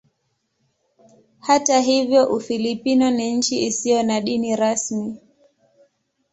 Hata hivyo Ufilipino ni nchi isiyo na dini rasmi.